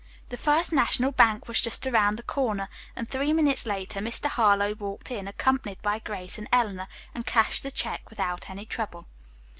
The First National Bank was just around the corner, and three minutes later Mr. Harlowe walked in, accompanied by Grace and Eleanor, and cashed the check without any trouble.